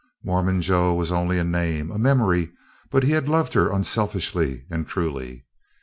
Mormon Joe was only a name, a memory, but he had loved her unselfishly and truly.